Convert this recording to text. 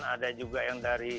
ada juga yang dari